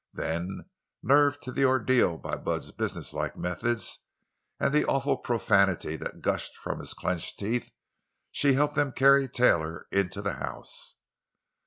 Then, nerved to the ordeal by Bud's businesslike methods, and the awful profanity that gushed from his clenched teeth, she helped them carry Taylor into the house.